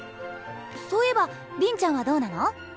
そういえばりんちゃんはどうなの？